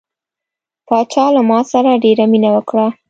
پاچا له ما سره ډیره مینه وکړه.